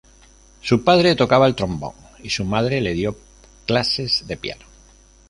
Su padre tocaba el trombón y su madre le dio clases de piano.